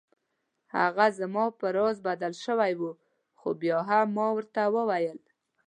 هغه زما په راز بدل شوی و خو بیا هم ما ورته وویل.